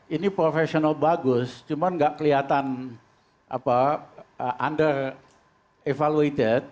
ini professional bagus cuman gak keliatan under evaluated